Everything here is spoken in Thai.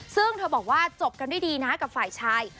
ซึ่งเธอบอกว่าจบกันด้วยดีนะกับฝ่ายชาย